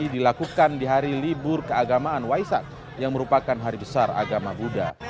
dilakukan di hari libur keagamaan waisak yang merupakan hari besar agama buddha